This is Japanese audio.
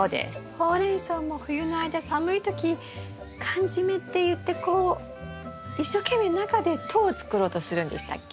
ホウレンソウも冬の間寒い時寒じめっていってこう一生懸命中で糖を作ろうとするんでしたっけ？